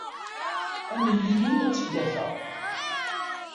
Alel-iyi ad tt-id-afeɣ.